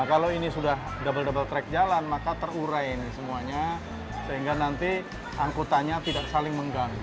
nah kalau ini sudah double double track jalan maka terurai ini semuanya sehingga nanti angkutannya tidak saling mengganggu